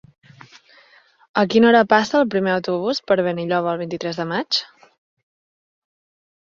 A quina hora passa el primer autobús per Benilloba el vint-i-tres de maig?